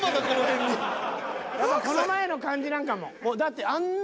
やっぱこの前の感じなんかも。